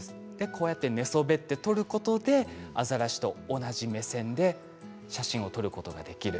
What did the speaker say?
こうやって寝そべって撮ることでアザラシと同じ目線で写真を撮ることができる。